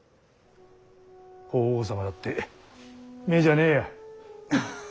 法皇様だって目じゃねえや。